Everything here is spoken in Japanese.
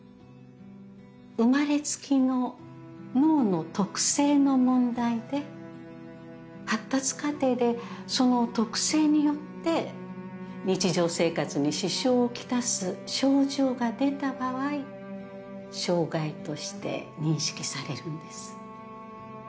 生まれつきの脳の特性の問題で発達過程でその特性によって日常生活に支障を来す症状が出た場合障害として認識されるんです。